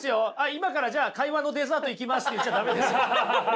「今からじゃあ会話のデザートいきます」って言っちゃ駄目です。